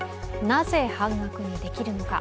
なぜ、半額にできるのか。